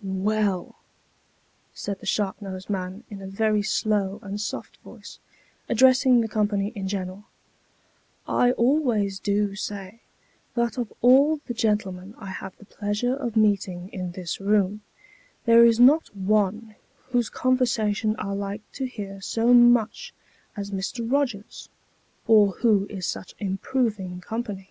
" Well !" said the sharp nosed man, in a very slow and soft voice, addressing the company in general, " I always do say, that of all the gentlemen I have the pleasure of meeting in this room, there is not one whose conversation I like to hear so much as Mr. Rogers's, or who is such improving company."